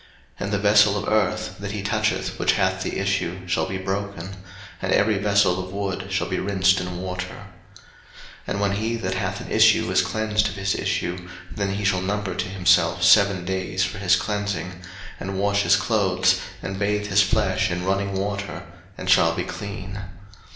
03:015:012 And the vessel of earth, that he toucheth which hath the issue, shall be broken: and every vessel of wood shall be rinsed in water. 03:015:013 And when he that hath an issue is cleansed of his issue; then he shall number to himself seven days for his cleansing, and wash his clothes, and bathe his flesh in running water, and shall be clean.